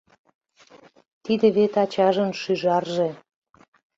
Тиде вет ачажын шӱжарже.